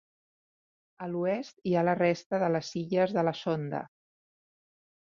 A l'oest hi ha la resta de les Illes de la Sonda.